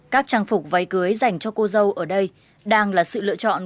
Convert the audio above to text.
các trang phục váy cưới dành cho cô dâu ở đây đang là sự lựa chọn